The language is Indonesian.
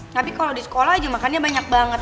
tapi kalau di sekolah aja makannya banyak banget